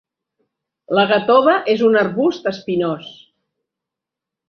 La gatova és un arbust espinós.